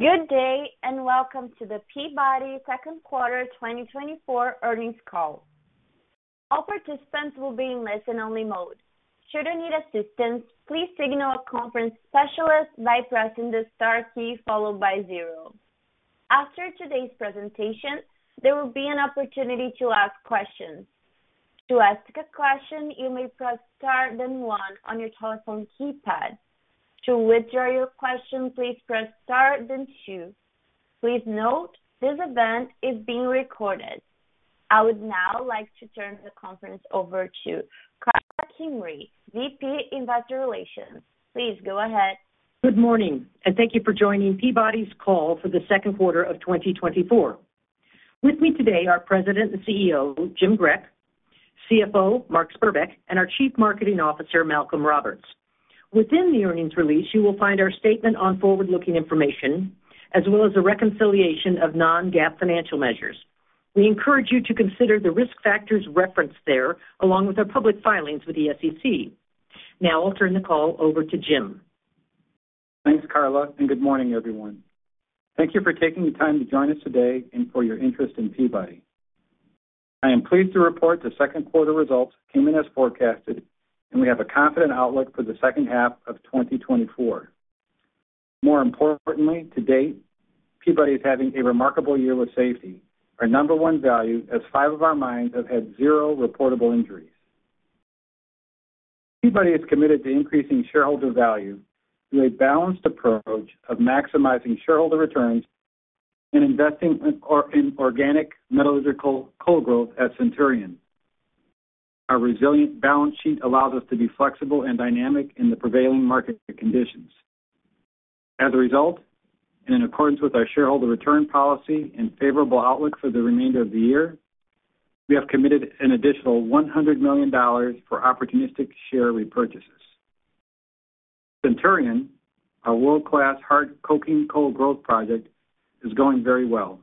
Good day, and welcome to the Peabody Second Quarter 2024 Earnings Call. All participants will be in listen-only mode. Should you need assistance, please signal a conference specialist by pressing the star key followed by zero. After today's presentation, there will be an opportunity to ask questions. To ask a question, you may press star, then one on your telephone keypad. To withdraw your question, please press star, then two. Please note, this event is being recorded. I would now like to turn the conference over to Karla Kimrey, VP, Investor Relations. Please go ahead. Good morning, and thank you for joining Peabody's call for the second quarter of 2024. With me today are President and CEO, Jim Grech, CFO, Mark Spurbeck, and our Chief Marketing Officer, Malcolm Roberts. Within the earnings release, you will find our statement on forward-looking information, as well as a reconciliation of non-GAAP financial measures. We encourage you to consider the risk factors referenced there, along with our public filings with the SEC. Now I'll turn the call over to Jim. Thanks, Karla, and good morning, everyone. Thank you for taking the time to join us today and for your interest in Peabody. I am pleased to report the second quarter results came in as forecasted, and we have a confident outlook for the second half of 2024. More importantly, to date, Peabody is having a remarkable year with safety. Our number one value, as five of our mines have had zero reportable injuries. Peabody is committed to increasing shareholder value through a balanced approach of maximizing shareholder returns and investing in organic metallurgical coal growth at Centurion. Our resilient balance sheet allows us to be flexible and dynamic in the prevailing market conditions. As a result, and in accordance with our shareholder return policy and favorable outlook for the remainder of the year, we have committed an additional $100 million for opportunistic share repurchases. Centurion, a world-class hard coking coal growth project, is going very well.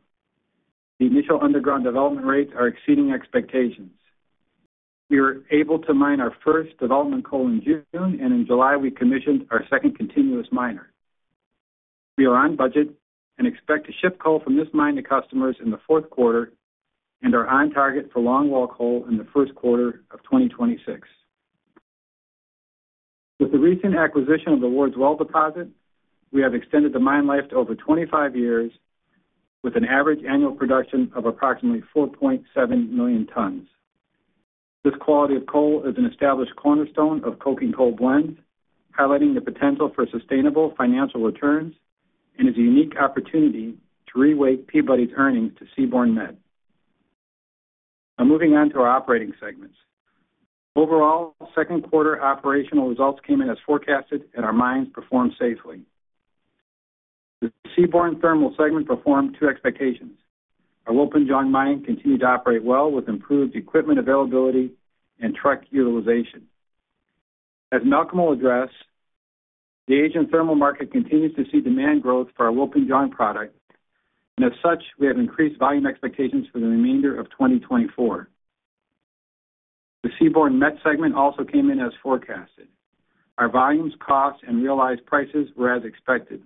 The initial underground development rates are exceeding expectations. We were able to mine our first development coal in June, and in July, we commissioned our second continuous miner. We are on budget and expect to ship coal from this mine to customers in the fourth quarter and are on target for longwall coal in the first quarter of 2026. With the recent acquisition of the Wards Well deposit, we have extended the mine life to over 25 years with an average annual production of approximately 4.7 million tons. This quality of coal is an established cornerstone of coking coal blends, highlighting the potential for sustainable financial returns and is a unique opportunity to reweight Peabody's earnings to Seaborne Met. Now moving on to our operating segments. Overall, second-quarter operational results came in as forecasted and our mines performed safely. The Seaborne Thermal segment performed to expectations. Our Wilpinjong Mine continued to operate well with improved equipment availability and truck utilization. As Malcolm will address, the Asian thermal market continues to see demand growth for our Wilpinjong product, and as such, we have increased volume expectations for the remainder of 2024. The Seaborne Met segment also came in as forecasted. Our volumes, costs, and realized prices were as expected.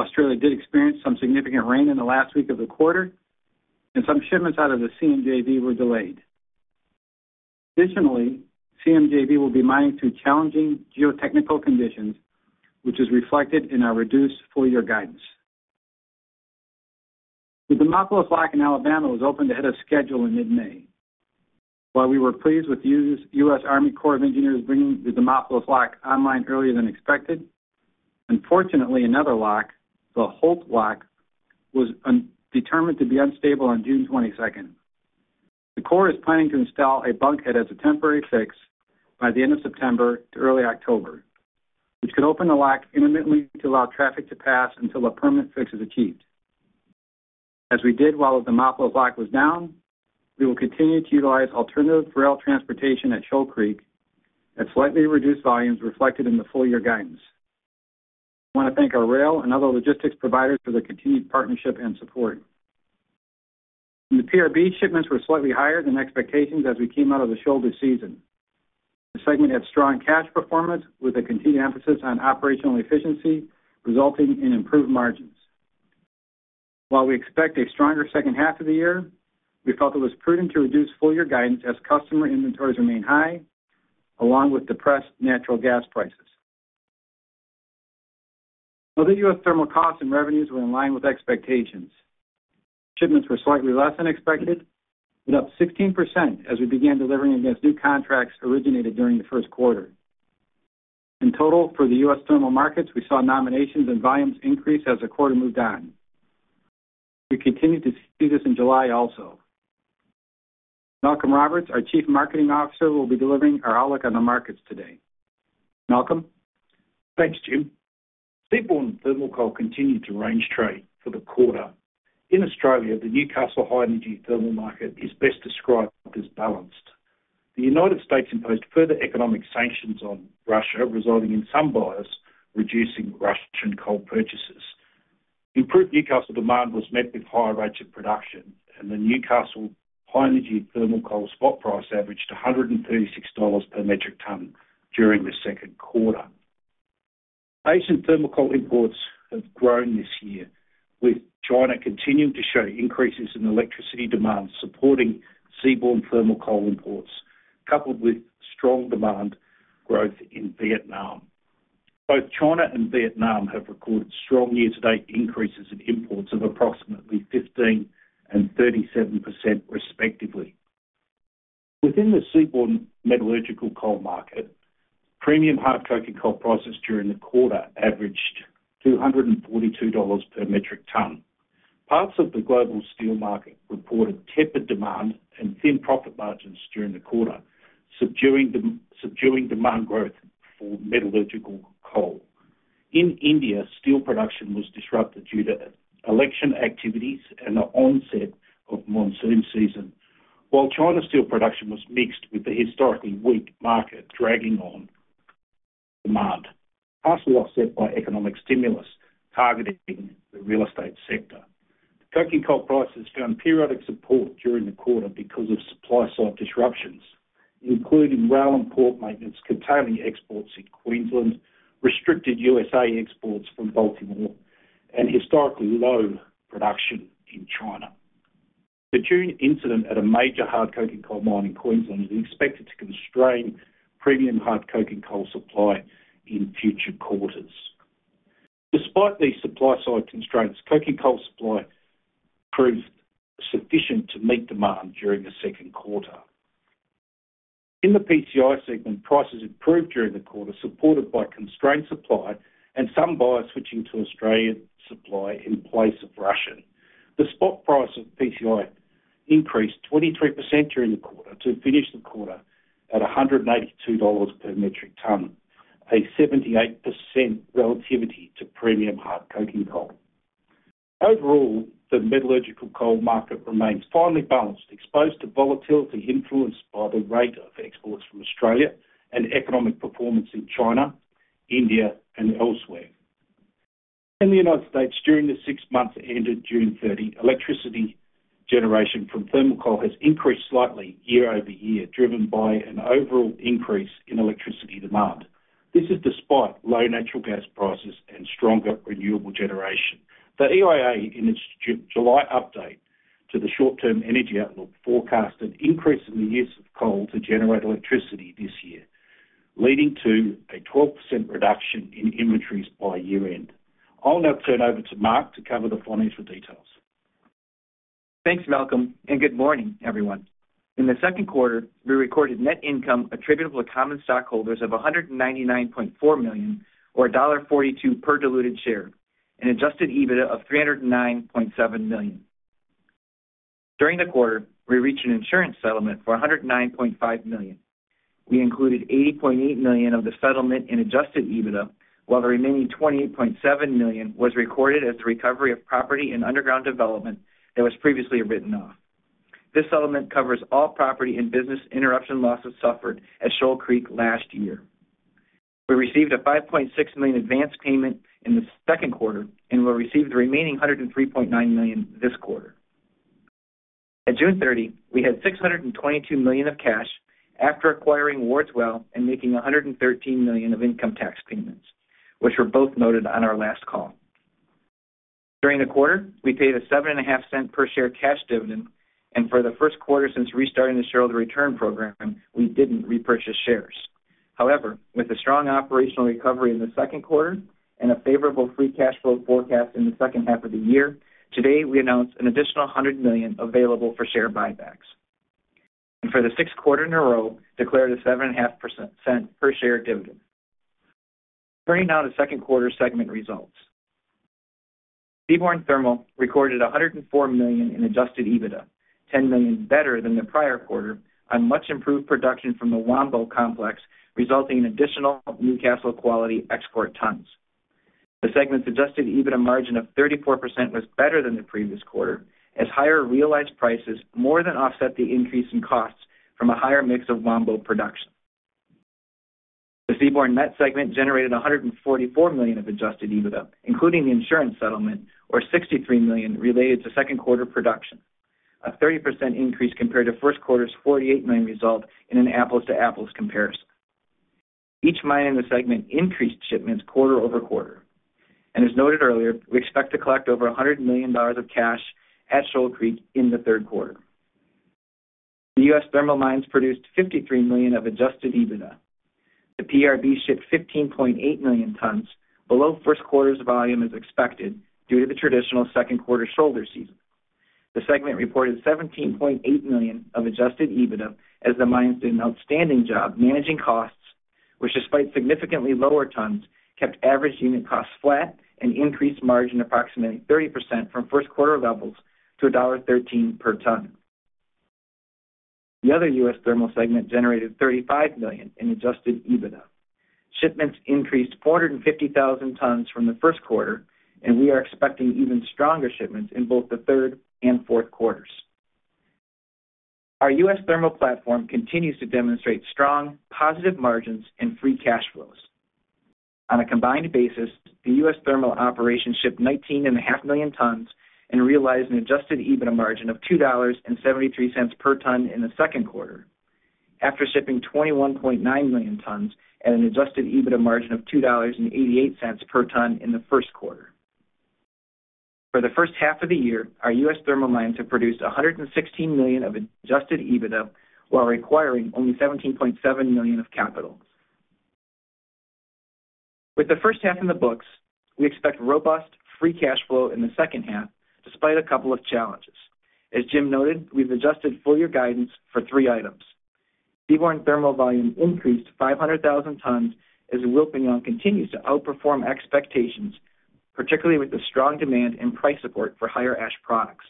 Australia did experience some significant rain in the last week of the quarter, and some shipments out of the CMJV were delayed. Additionally, CMJV will be mining through challenging geotechnical conditions, which is reflected in our reduced full-year guidance. The Demopolis Lock in Alabama was opened ahead of schedule in mid-May. While we were pleased with the U.S. Army Corps of Engineers bringing the Demopolis Lock online earlier than expected, unfortunately, another lock, the Holt Lock, was determined to be unstable on June 22nd. The Corps is planning to install a bulkhead as a temporary fix by the end of September to early October, which could open the lock intermittently to allow traffic to pass until a permanent fix is achieved. As we did while the Demopolis Lock was down, we will continue to utilize alternative rail transportation at Shoal Creek at slightly reduced volumes reflected in the full-year guidance. I want to thank our rail and other logistics providers for their continued partnership and support. The PRB shipments were slightly higher than expectations as we came out of the shoulder season. The segment had strong cash performance with a continued emphasis on operational efficiency, resulting in improved margins. While we expect a stronger second half of the year, we felt it was prudent to reduce full-year guidance as customer inventories remain high, along with depressed natural gas prices. Other U.S. thermal costs and revenues were in line with expectations. Shipments were slightly less than expected, but up 16% as we began delivering against new contracts originated during the first quarter. In total, for the U.S. thermal markets, we saw nominations and volumes increase as the quarter moved on. We continued to see this in July also. Malcolm Roberts, our Chief Marketing Officer, will be delivering our outlook on the markets today. Malcolm? Thanks, Jim. Seaborne Thermal coal continued to range trade for the quarter. In Australia, the Newcastle high-energy thermal market is best described as balanced. The United States imposed further economic sanctions on Russia, resulting in some buyers reducing Russian coal purchases. Improved Newcastle demand was met with higher rates of production, and the Newcastle high-energy thermal coal spot price averaged $136 per metric ton during the second quarter. Asian thermal coal imports have grown this year, with China continuing to show increases in electricity demand, supporting Seaborne Thermal coal imports, coupled with strong demand growth in Vietnam. Both China and Vietnam have recorded strong year-to-date increases in imports of approximately 15% and 37%, respectively. Within the seaborne metallurgical coal market, premium hard coking coal prices during the quarter averaged $242 per metric ton. Parts of the global steel market reported tepid demand and thin profit margins during the quarter, subduing demand growth for metallurgical coal. In India, steel production was disrupted due to election activities and the onset of monsoon season, while China steel production was mixed, with the historically weak market dragging on demand, partially offset by economic stimulus targeting the real estate sector. Coking coal prices found periodic support during the quarter because of supply-side disruptions, including rail and port maintenance, constraining exports in Queensland, restricted USA exports from Baltimore, and historically low production in China. The June incident at a major hard coking coal mine in Queensland is expected to constrain premium hard coking coal supply in future quarters. Despite these supply-side constraints, coking coal supply proved sufficient to meet demand during the second quarter. In the PCI segment, prices improved during the quarter, supported by constrained supply and some buyers switching to Australian supply in place of Russian. The spot price of PCI increased 23% during the quarter to finish the quarter at $182 per metric ton, a 78% relativity to premium hard coking coal. Overall, the metallurgical coal market remains finely balanced, exposed to volatility influenced by the rate of exports from Australia and economic performance in China, India, and elsewhere. In the United States, during the six months ended June 30, electricity generation from thermal coal has increased slightly year-over-year, driven by an overall increase in electricity demand. This is despite low natural gas prices and stronger renewable generation. The EIA, in its July update to the Short-Term Energy Outlook, forecast an increase in the use of coal to generate electricity this year, leading to a 12% reduction in inventories by year-end. I'll now turn over to Mark to cover the financial details. Thanks, Malcolm, and good morning, everyone. In the second quarter, we recorded net income attributable to common stockholders of $199.4 million, or $1.42 per diluted share, an adjusted EBITDA of $309.7 million. During the quarter, we reached an insurance settlement for $109.5 million. We included $80.8 million of the settlement in adjusted EBITDA, while the remaining $28.7 million was recorded as the recovery of property and underground development that was previously written off. This settlement covers all property and business interruption losses suffered at Shoal Creek last year. We received a $5.6 million advance payment in the second quarter and will receive the remaining $103.9 million this quarter. At June 30, we had $622 million of cash after acquiring Wards Well and making $113 million of income tax payments, which were both noted on our last call. During the quarter, we paid a $0.075 per share cash dividend, and for the first quarter since restarting the shareholder return program, we didn't repurchase shares. However, with a strong operational recovery in the second quarter and a favorable free cash flow forecast in the second half of the year, today, we announced an additional $100 million available for share buybacks. And for the sixth quarter in a row, declared a $0.075 per share dividend. Turning now to second quarter segment results. Seaborne Thermal recorded $104 million in adjusted EBITDA, $10 million better than the prior quarter, on much improved production from the Wambo Complex, resulting in additional Newcastle quality export tons. The segment's adjusted EBITDA margin of 34% was better than the previous quarter, as higher realized prices more than offset the increase in costs from a higher mix of Wambo production. The Seaborne Met segment generated $144 million of Adjusted EBITDA, including the insurance settlement, or $63 million related to second quarter production, a 30% increase compared to first quarter's $48 million result in an apples-to-apples comparison. Each mine in the segment increased shipments quarter-over-quarter. And as noted earlier, we expect to collect over $100 million of cash at Shoal Creek in the third quarter. The U.S. Thermal mines produced $53 million of Adjusted EBITDA. The PRB shipped 15.8 million tons, below first quarter's volume, as expected, due to the traditional second-quarter shoulder season. The segment reported $17.8 million of adjusted EBITDA, as the mines did an outstanding job managing costs, which, despite significantly lower tons, kept average unit costs flat and increased margin approximately 30% from first quarter levels to $13 per ton. The other U.S. Thermal segment generated $35 million in adjusted EBITDA. Shipments increased 450,000 tons from the first quarter, and we are expecting even stronger shipments in both the third and fourth quarters. Our U.S. Thermal platform continues to demonstrate strong positive margins and free cash flows. On a combined basis, the U.S. Thermal operation shipped 19.5 million tons and realized an adjusted EBITDA margin of $2.73 per ton in the second quarter, after shipping 21.9 million tons at an adjusted EBITDA margin of $2.88 per ton in the first quarter. For the first half of the year, our U.S. Thermal mines have produced $116 million of adjusted EBITDA, while requiring only $17.7 million of capital. With the first half in the books, we expect robust free cash flow in the second half, despite a couple of challenges. As Jim noted, we've adjusted full year guidance for three items. Seaborne Thermal volume increased 500,000 tons as Wilpinjong continues to outperform expectations, particularly with the strong demand and price support for higher ash products.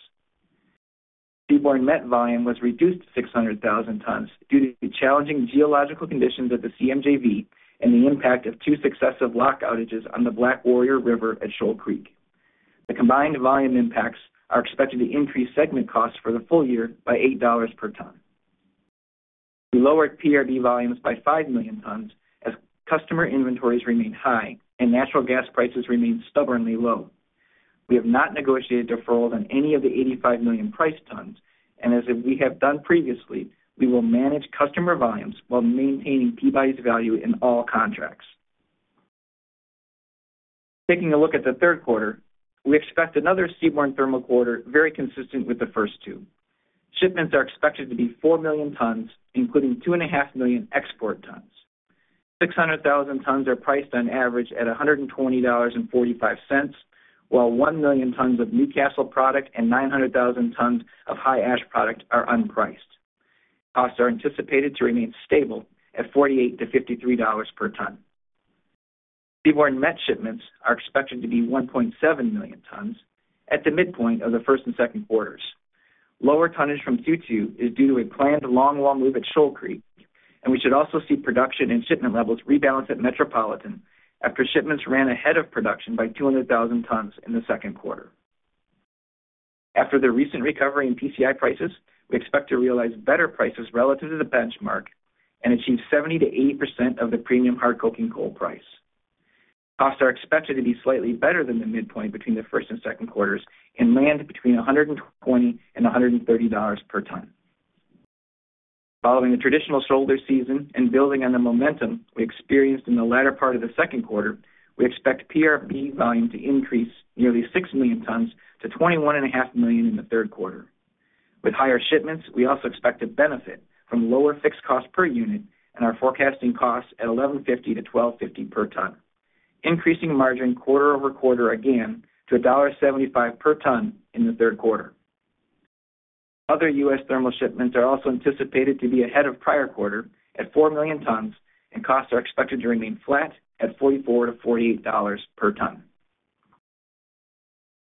Seaborne Met volume was reduced 600,000 tons due to the challenging geological conditions at the CMJV and the impact of two successive lock outages on the Black Warrior River at Shoal Creek. The combined volume impacts are expected to increase segment costs for the full year by $8 per ton. We lowered PRB volumes by 5 million tons, as customer inventories remain high and natural gas prices remain stubbornly low. We have not negotiated deferrals on any of the 85 million priced tons, and as we have done previously, we will manage customer volumes while maintaining Peabody's value in all contracts. Taking a look at the third quarter, we expect another Seaborne Thermal quarter, very consistent with the first two. Shipments are expected to be 4 million tons, including 2.5 million export tons. 600,000 tons are priced on average at $120.45, while 1 million tons of Newcastle product and 900,000 tons of high ash product are unpriced. Costs are anticipated to remain stable at $48-$53 per ton. Seaborne Met shipments are expected to be 1.7 million tons at the midpoint of the first and second quarters. Lower tonnage from Q2 is due to a planned longwall move at Shoal Creek, and we should also see production and shipment levels rebalance at Metropolitan after shipments ran ahead of production by 200,000 tons in the second quarter. After the recent recovery in PCI prices, we expect to realize better prices relative to the benchmark and achieve 70%-80% of the premium hard coking coal price. Costs are expected to be slightly better than the midpoint between the first and second quarters and land between $120 and $130 per ton. Following the traditional shoulder season and building on the momentum we experienced in the latter part of the second quarter, we expect PRB volume to increase nearly 6 million tons to 21.5 million in the third quarter. With higher shipments, we also expect to benefit from lower fixed cost per unit and are forecasting costs at $11.50-$12.50 per ton, increasing margin quarter-over-quarter again to $1.75 per ton in the third quarter. Other U.S. Thermal shipments are also anticipated to be ahead of prior quarter at 4 million tons, and costs are expected to remain flat at $44-$48 per ton.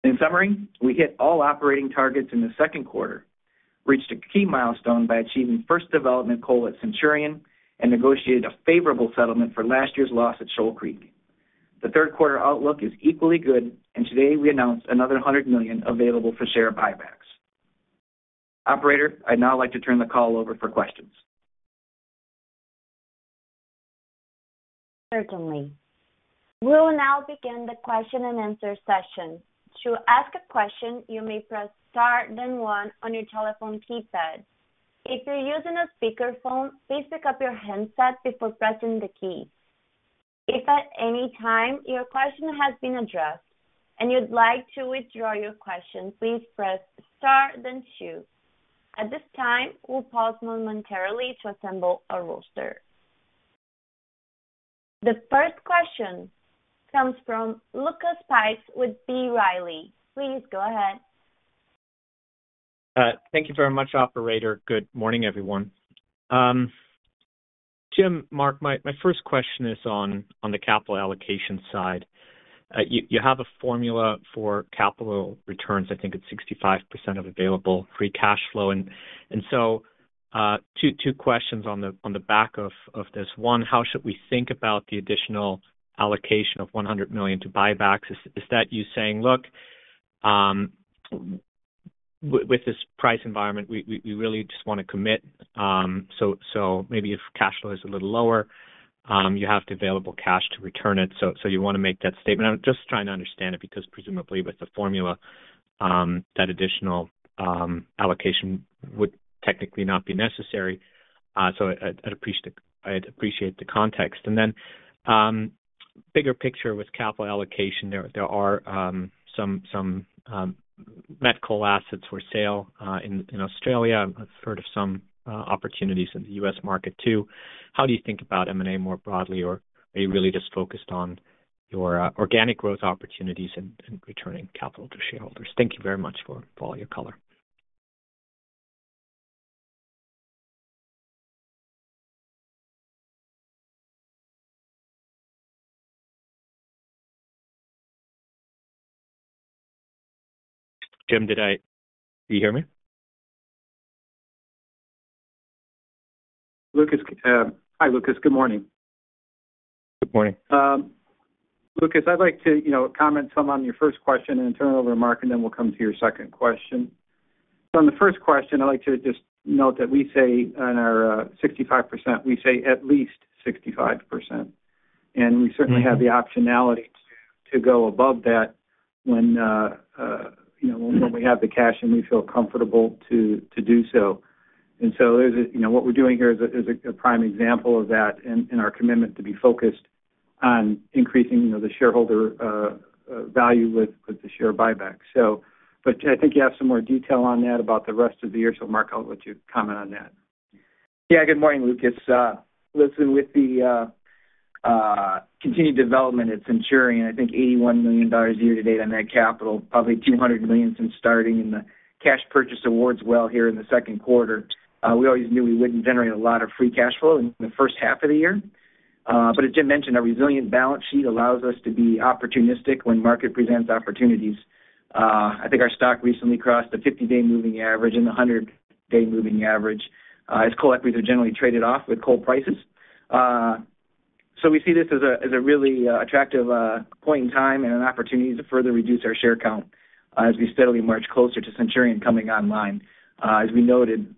In summary, we hit all operating targets in the second quarter, reached a key milestone by achieving first development coal at Centurion, and negotiated a favorable settlement for last year's loss at Shoal Creek. The third quarter outlook is equally good, and today we announced another $100 million available for share buybacks. Operator, I'd now like to turn the call over for questions. Certainly. We'll now begin the question-and-answer session. To ask a question, you may press star, then one on your telephone keypad. If you're using a speakerphone, please pick up your handset before pressing the key. If at any time your question has been addressed and you'd like to withdraw your question, please press star then two. At this time, we'll pause momentarily to assemble a roster. The first question comes from Lucas Pipes with B. Riley. Please go ahead. Thank you very much, operator. Good morning, everyone. Jim, Mark, my first question is on the capital allocation side. You have a formula for capital returns. I think it's 65% of available free cash flow. Two questions on the back of this. One, how should we think about the additional allocation of $100 million to buybacks? Is that you saying, "Look, with this price environment, we really just want to commit, so maybe if cash flow is a little lower, you have the available cash to return it." So you want to make that statement? I'm just trying to understand it, because presumably with the formula, that additional allocation would technically not be necessary. So I'd appreciate the context. And then, bigger picture with capital allocation, there are some met coal assets for sale in Australia. I've heard of some opportunities in the U.S. market, too. How do you think about M&A more broadly? Or are you really just focused on your organic growth opportunities and returning capital to shareholders? Thank you very much for all your color. Jim, do you hear me? Lucas, hi, Lucas. Good morning. Good morning. Lucas, I'd like to, you know, comment some on your first question and then turn it over to Mark, and then we'll come to your second question. So on the first question, I'd like to just note that we say on our, 65%, we say at least 65%. And we certainly- Mm-hmm have the optionality to go above that when, you know, when we have the cash, and we feel comfortable to do so. And so there's, you know, what we're doing here is a prime example of that in our commitment to be focused on increasing, you know, the shareholder value with the share buyback. So, but I think you have some more detail on that about the rest of the year. So Mark, I'll let you comment on that. Yeah, good morning, Lucas. Listen, with the continued development at Centurion, I think $81 million year-to-date on that capital, probably $200 million since starting with the cash purchase of Wards Well here in the second quarter, we always knew we wouldn't generate a lot of free cash flow in the first half of the year. But as Jim mentioned, our resilient balance sheet allows us to be opportunistic when the market presents opportunities. I think our stock recently crossed the 50-day moving average and the 100-day moving average, as coal equities are generally traded off with coal prices. So we see this as a really attractive point in time and an opportunity to further reduce our share count, as we steadily march closer to Centurion coming online. As we noted,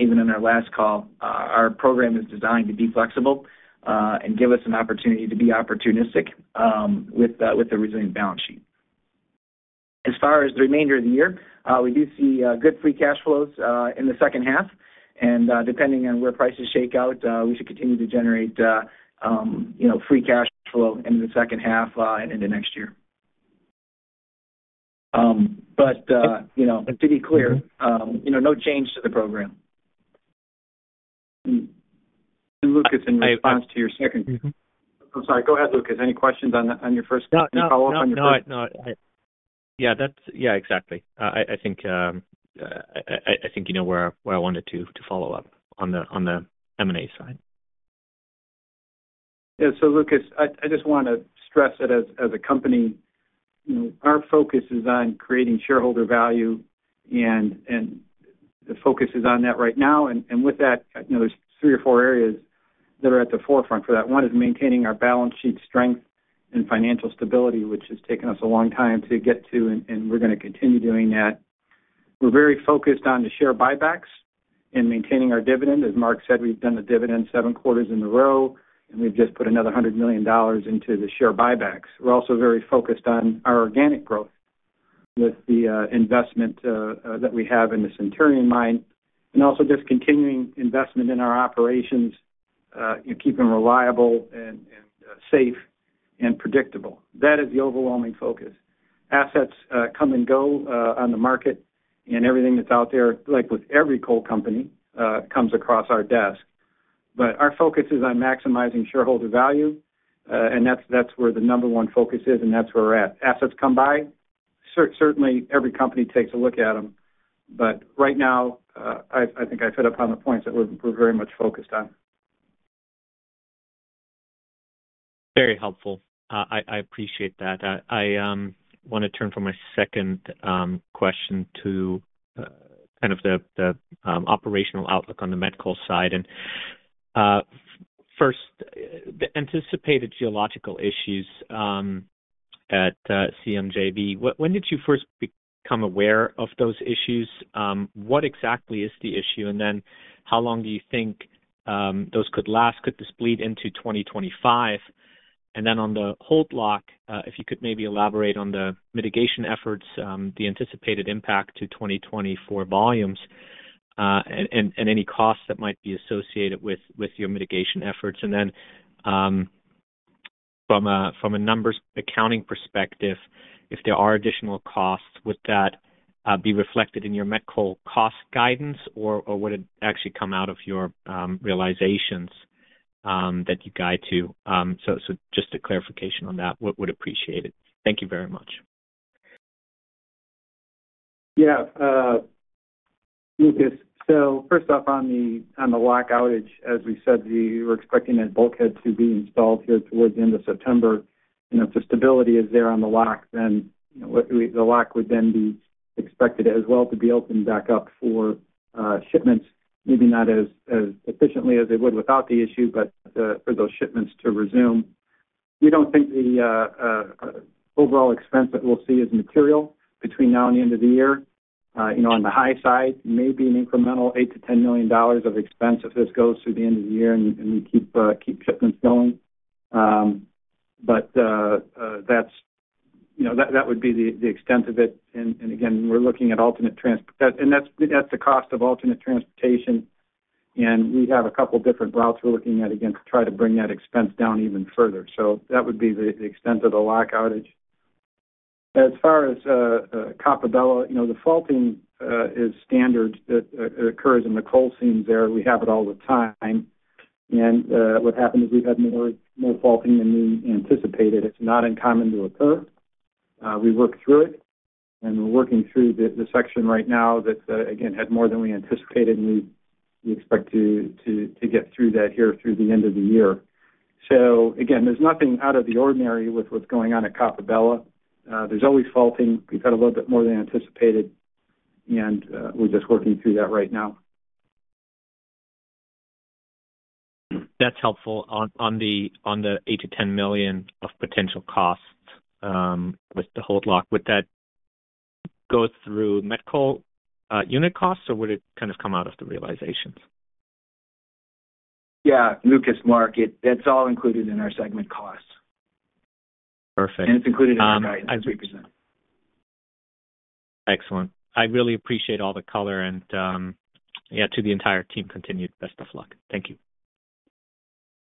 even in our last call, our program is designed to be flexible and give us an opportunity to be opportunistic with the resilient balance sheet. As far as the remainder of the year, we do see good free cash flows in the second half, and depending on where prices shake out, we should continue to generate you know free cash flow into the second half and into next year. But you know, but to be clear- Mm-hmm you know, no change to the program. Mm-hmm. And Lucas, in response to your second- Mm-hmm. I'm sorry, go ahead, Lucas. Any questions on your first- No- Any follow-up on your first? No, I... Yeah, that's... Yeah, exactly. I think you know where I wanted to follow up on the M&A side. Yeah. So Lucas, I just wanna stress that as a company, you know, our focus is on creating shareholder value, and the focus is on that right now. And with that, you know, there's three or four areas that are at the forefront for that. One is maintaining our balance sheet strength and financial stability, which has taken us a long time to get to, and we're gonna continue doing that. We're very focused on the share buybacks and maintaining our dividend. As Mark said, we've done the dividend seven quarters in a row, and we've just put another $100 million into the share buybacks. We're also very focused on our organic growth with the investment that we have in the Centurion Mine, and also just continuing investment in our operations and keeping reliable and safe and predictable. That is the overwhelming focus. Assets come and go on the market, and everything that's out there, like with every coal company, comes across our desk. But our focus is on maximizing shareholder value, and that's, that's where the number one focus is, and that's where we're at. Assets come by, certainly, every company takes a look at them, but right now, I, I think I've hit upon the points that we're, we're very much focused on. Very helpful. I appreciate that. I wanna turn to my second question to kind of the operational outlook on the Met Coal side. And first, the anticipated geological issues at CMJV, when did you first become aware of those issues? What exactly is the issue? And then how long do you think those could last? Could this bleed into 2025? And then on the Holt Lock, if you could maybe elaborate on the mitigation efforts, the anticipated impact to 2024 volumes, and any costs that might be associated with your mitigation efforts. And then, from a numbers accounting perspective, if there are additional costs, would that be reflected in your met coal cost guidance, or would it actually come out of your realizations that you guide to? So, just a clarification on that. We would appreciate it. Thank you very much. Yeah, Lucas. So first off, on the lock outage, as we said, we were expecting that bulkhead to be installed here towards the end of September. You know, if the stability is there on the lock, then, you know, the lock would then be expected as well to be opened back up for shipments, maybe not as efficiently as it would without the issue, but for those shipments to resume. We don't think the overall expense that we'll see is material between now and the end of the year. You know, on the high side, maybe an incremental $8 million-$10 million of expense if this goes through the end of the year and we keep shipments going. But that's, you know, that would be the extent of it. Again, we're looking at alternate transportation, and that's the cost of alternate transportation, and we have a couple different routes we're looking at, again, to try to bring that expense down even further. So that would be the extent of the lock outage. As far as Coppabella, you know, the faulting is standard, it occurs in the coal seams there. We have it all the time. And what happened is we had more faulting than we anticipated. It's not uncommon to occur. We worked through it, and we're working through the section right now that, again, had more than we anticipated, and we expect to get through that here through the end of the year. So again, there's nothing out of the ordinary with what's going on at Coppabella. There's always faulting. We've had a little bit more than anticipated and we're just working through that right now. That's helpful. On the $8 million-$10 million of potential costs with the Holt Lock, would that go through Met Coal unit costs, or would it kind of come out of the realizations? Yeah, Lucas, Mark, that's all included in our segment costs. Perfect. It's included in our guidance, 3%. Excellent. I really appreciate all the color and, yeah, to the entire team, continued best of luck. Thank you.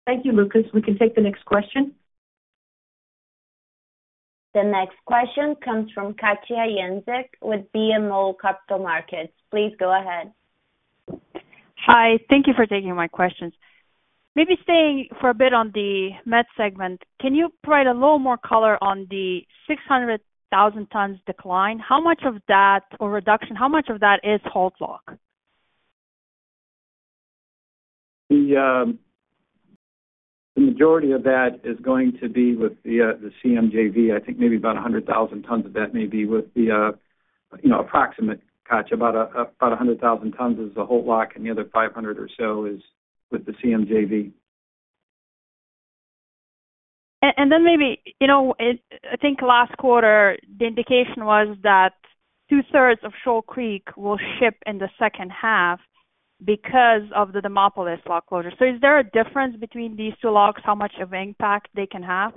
Thank you, Lucas. We can take the next question. The next question comes from Katja Jancic with BMO Capital Markets. Please go ahead. Hi, thank you for taking my questions. Maybe staying for a bit on the met segment, can you provide a little more color on the 600,000 tons decline? How much of that, or reduction, how much of that is Holt Lock? The majority of that is going to be with the CMJV. I think maybe about 100,000 tons of that may be with the you know approximate Katja about 100,000 tons is the Holt Lock, and the other 500,000 tons or so is with the CMJV. Then maybe, you know, I think last quarter, the indication was that 2/3 of Shoal Creek will ship in the second half because of the Demopolis Lock closure. So is there a difference between these two locks, how much of impact they can have?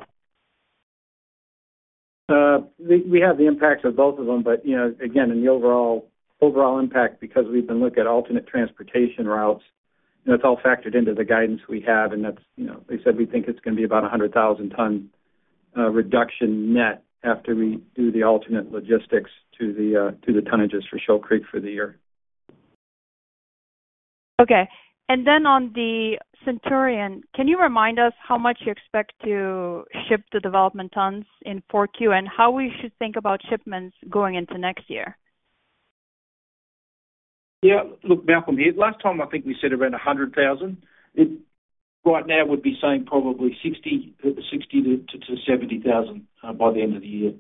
We have the impact of both of them, but you know, again, in the overall impact, because we've been looking at alternate transportation routes, you know, it's all factored into the guidance we have, and that's, you know, they said we think it's gonna be about a 100,000-ton reduction net after we do the alternate logistics to the tonnages for Shoal Creek for the year. Okay. And then on the Centurion, can you remind us how much you expect to ship the development tons in 4Q, and how we should think about shipments going into next year? Yeah. Look, Malcolm here. Last time, I think we said around 100,000 tons. It, right now, would be saying probably 60,000 tons-70,000 tons by the end of the year.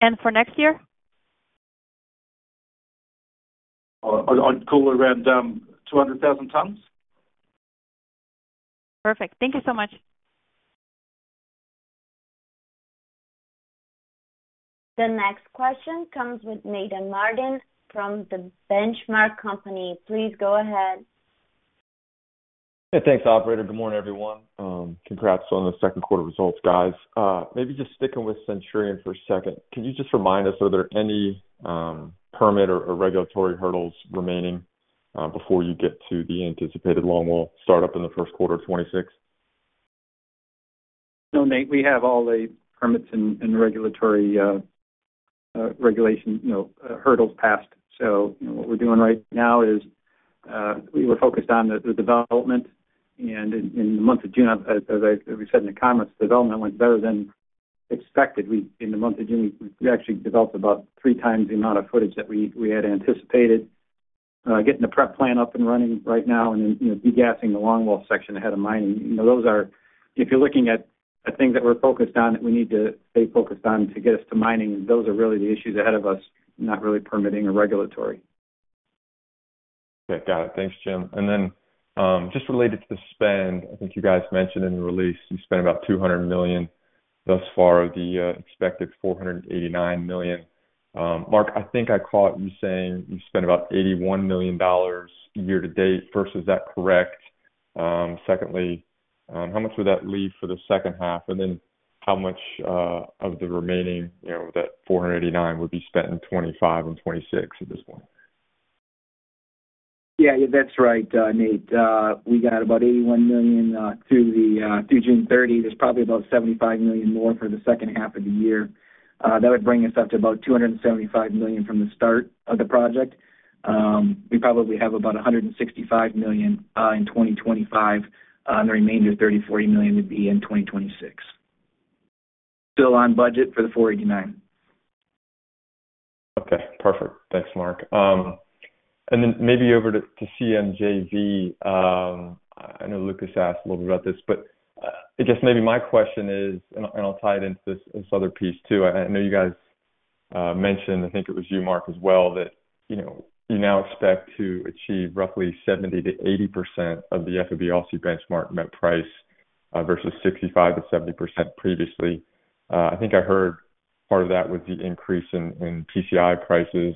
And for next year? I'd call it around 200,000 tons. Perfect. Thank you so much. The next question comes with Nathan Martin from The Benchmark Company. Please go ahead. Hey, thanks, operator. Good morning, everyone. Congrats on the second quarter results, guys. Maybe just sticking with Centurion for a second. Can you just remind us, are there any permit or regulatory hurdles remaining before you get to the anticipated longwall start up in the first quarter of 2026? No, Nate, we have all the permits and regulatory regulation, you know, hurdles passed. So, you know, what we're doing right now is, we were focused on the development, and in the month of June, as we said in the comments, the development went better than expected. We, in the month of June, we actually developed about 3x the amount of footage that we had anticipated. Getting the prep plan up and running right now and then, you know, degassing the longwall section ahead of mining, you know, those are, if you're looking at things that we're focused on, that we need to stay focused on to get us to mining, those are really the issues ahead of us, not really permitting or regulatory. Okay. Got it. Thanks, Jim. And then, just related to the spend, I think you guys mentioned in the release, you spent about $200 million thus far, the expected $489 million. Mark, I think I caught you saying you spent about $81 million year-to-date. First, is that correct? Secondly, how much would that leave for the second half, and then how much of the remaining, you know, that $489 million would be spent in 2025 and 2026 at this point? Yeah, that's right, Nate. We got about $81 million through June 30. There's probably about $75 million more for the second half of the year. That would bring us up to about $275 million from the start of the project. We probably have about $165 million in 2025. And the remainder, $30 million-$40 million, would be in 2026. Still on budget for the $489 million. Okay, perfect. Thanks, Mark. And then maybe over to CMJV. I know Lucas asked a little bit about this, but I guess maybe my question is, and I'll tie it into this other piece, too. I know you guys mentioned, I think it was you, Mark, as well, that you know, you now expect to achieve roughly 70%-80% of the FOB Aussie benchmark met price versus 65%-70% previously. I think I heard part of that was the increase in PCI prices,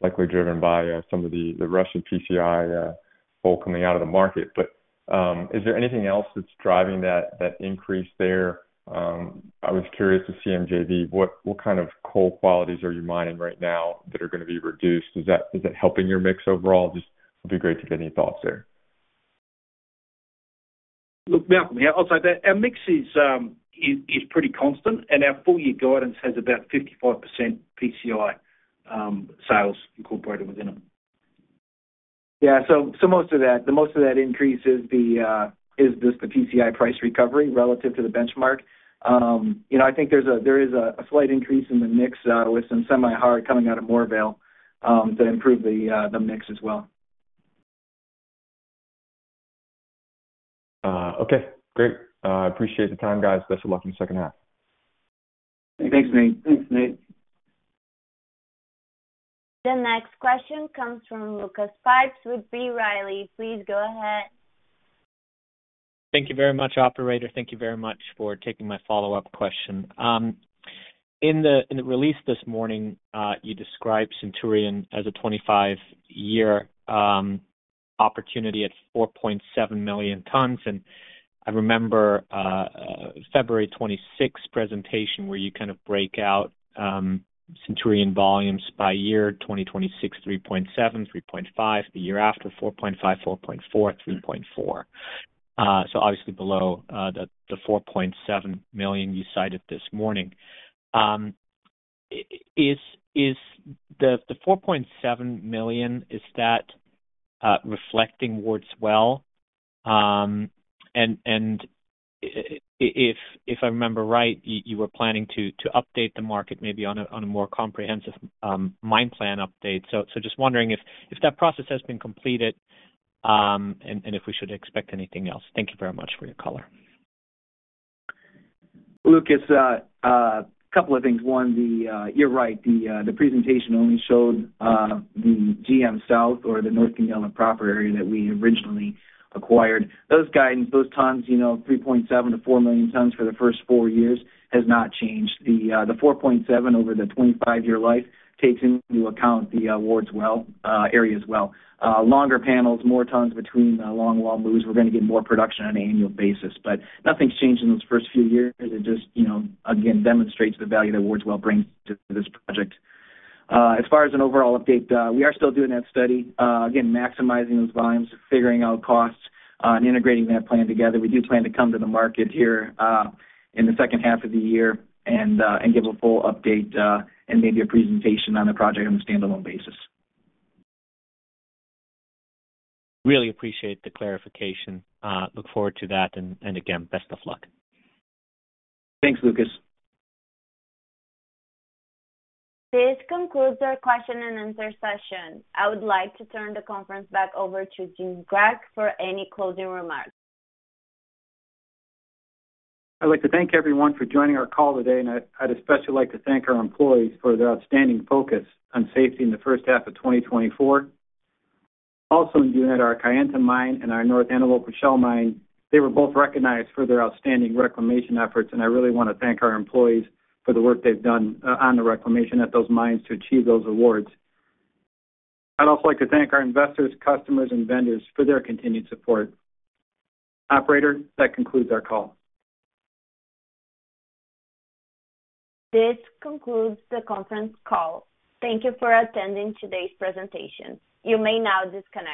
likely driven by some of the Russian PCI coal coming out of the market. But is there anything else that's driving that increase there? I was curious with CMJV, what kind of coal qualities are you mining right now that are gonna be reduced? Is that, is that helping your mix overall? Just it'd be great to get any thoughts there. Look, Malcolm, yeah, I'll say that our mix is pretty constant, and our full year guidance has about 55% PCI sales incorporated within them. Yeah, so, so most of that, the most of that increase is the, is just the PCI price recovery relative to the benchmark. You know, I think there's a, there is a, a slight increase in the mix, with some semi-hard coming out of Moorvale, that improved the, the mix as well. Okay, great. I appreciate the time, guys. Best of luck in the second half. Thanks, Nate. Thanks, Nate. The next question comes from Lucas Pipes with B. Riley. Please go ahead. Thank you very much, operator. Thank you very much for taking my follow-up question. In the release this morning, you described Centurion as a 25-year opportunity at 4.7 million tons, and I remember February 2026 presentation, where you kind of break out Centurion volumes by year, 2026, 3.7 million tons, 3.5 million tons. The year after, 4.5 million tons, 4.4 million tons, 3.4 million tons. So obviously below the 4.7 million you cited this morning. Is the 4.7 million tons reflecting Wards Well? And if I remember right, you were planning to update the market maybe on a more comprehensive mine plan update. So just wondering if that process has been completed, and if we should expect anything else. Thank you very much for your color. Lucas, a couple of things. One, you're right, the presentation only showed the GM South or the North Goonyella property area that we originally acquired. Those guidance, those tons, you know, 3.7 million tons-4 million tons for the first four years, has not changed. The 4.7 million tons over the 25-year life takes into account the Wards Well area as well. Longer panels, more tons between longwall moves. We're gonna get more production on an annual basis, but nothing's changed in those first few years. It just, you know, again, demonstrates the value that Wards Well brings to this project. As far as an overall update, we are still doing that study. Again, maximizing those volumes, figuring out costs, and integrating that plan together. We do plan to come to the market here, in the second half of the year and, and give a full update, and maybe a presentation on the project on a standalone basis. Really appreciate the clarification. Look forward to that, and, and again, best of luck. Thanks, Lucas. This concludes our question-and-answer session. I would like to turn the conference back over to Jim Grech for any closing remarks. I'd like to thank everyone for joining our call today, and I'd especially like to thank our employees for their outstanding focus on safety in the first half of 2024. Also, teams at our Kayenta Mine and our North Antelope Rochelle Mine, they were both recognized for their outstanding reclamation efforts, and I really want to thank our employees for the work they've done on the reclamation at those mines to achieve those awards. I'd also like to thank our investors, customers and vendors for their continued support. Operator, that concludes our call. This concludes the conference call. Thank you for attending today's presentation. You may now disconnect.